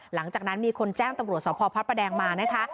หลังจากนั้นมีคนแจ้งตำรวจสพพระประแดงมานะคะ